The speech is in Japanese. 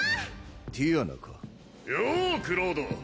ティアナかよおクロード！